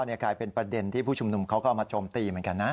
กลายเป็นประเด็นที่ผู้ชุมนุมเขาก็เอามาโจมตีเหมือนกันนะ